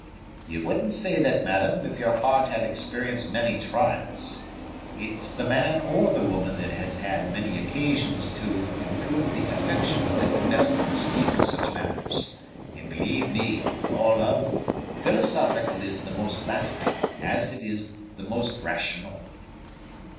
"You wouldn't say that, madam, if your heart had experienced many trials. It's the man or the woman that has had many occasions to improve the affections that can best speak of such matters; and, believe me, of all love, philosophical is the most lasting, as it is the most rational."